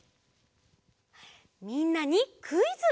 みんなにクイズ！